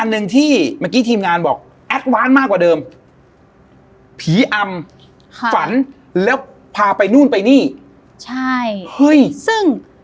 หนึ่งที่เมื่อกี้ทีมงานบอกแอดวานมากกว่าเดิมผีอำค่ะฝันแล้วพาไปนู่นไปนี่ใช่เฮ้ยซึ่ง